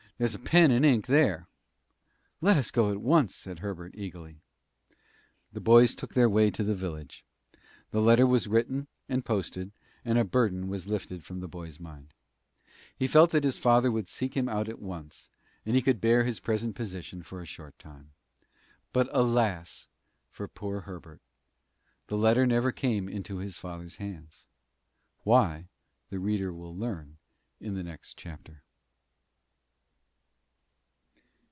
There's a pen and ink there." "Let us go at once," said Herbert, eagerly. The boys took their way to the village. The letter was written and posted, and a burden was lifted from the boy's mind. He felt that his father would seek him out at once, and he could bear his present position for a short time. But, alas! for poor Herbert the letter never came into his father's hands. Why, the reader will learn in the next chapter.